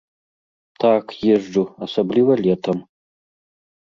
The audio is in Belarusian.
Так, езджу, асабліва летам.